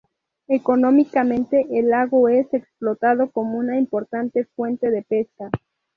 Económicamente el lago es explotado como una importante fuente de pesca.